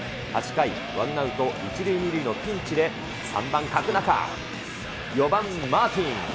８回、ワンアウト１塁２塁のピンチで３番角中、４番マーティン。